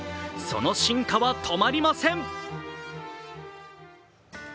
その進化は止まりません。